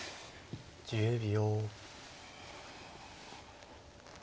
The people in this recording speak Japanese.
１０秒。